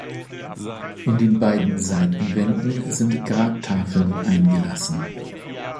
In den beiden Seitenwänden sind Grabtafeln eingelassen.